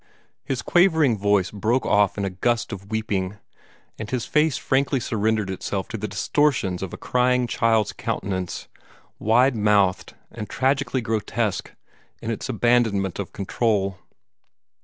His quavering voice broke off in a gust of weeping, and his face frankly surrendered itself to the distortions of a crying child's countenance, wide mouthed and tragically grotesque in its abandonment of control.